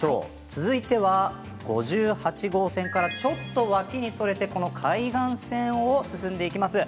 続いては国道５８号線からちょっと脇にそれて海岸線を進んで行きます。